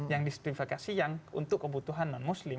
yang distrifikasi yang untuk kebutuhan non muslim